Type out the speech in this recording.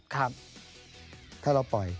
ครับถ้าเราปล่อย